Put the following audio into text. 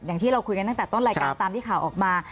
อย่างที่เราคุยกันตั้งแต่ต้นรายการตามที่ข่าวออกมา